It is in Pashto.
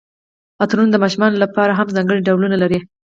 عطرونه د ماشومانو لپاره هم ځانګړي ډولونه لري.